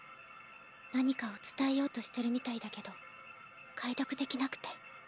何かを伝えようとしてるみたいだけど解読できなくて。